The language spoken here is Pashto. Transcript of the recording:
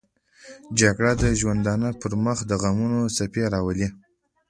جګړه د ژوندانه پر مخ دغمونو څپې راولي